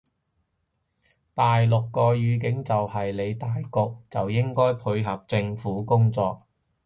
大陸個語境就係理大局就應該配合政府工作